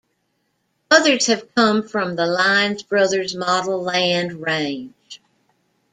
Others have come from the Lines Brothers Model-Land range.